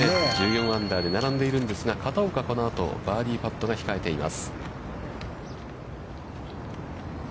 １４アンダーで、並んでいるんですが、片岡は、このあと、バーディーパットが控えています。